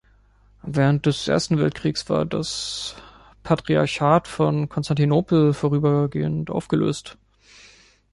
Während des Ersten Weltkrieges war das Patriarchat von Konstantinopel vorübergehend aufgelöst.